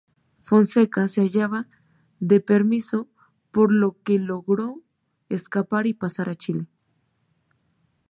Fonseca se hallaba de permiso por lo que logró escapar y pasar a Chile.